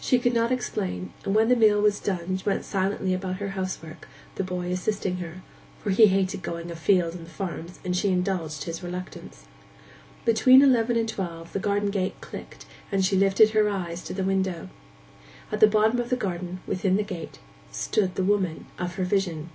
She could not explain, and when the meal was done went silently about her household work, the boy assisting her, for he hated going afield on the farms, and she indulged his reluctance. Between eleven and twelve the garden gate clicked, and she lifted her eyes to the window. At the bottom of the garden, within the gate, stood the woman of her vision.